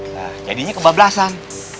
nah jadinya kebablasan